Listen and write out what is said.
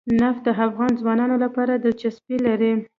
نفت د افغان ځوانانو لپاره دلچسپي لري.